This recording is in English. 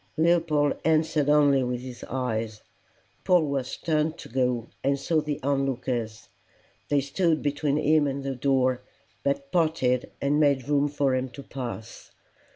Leopold answered only with his eyes. Polwarth turned to go, and saw the on lookers. They stood between him and the door, but parted and made room for him to pass.